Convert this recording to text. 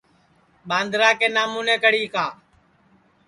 ٻاندرا کے نامونے کڑی کا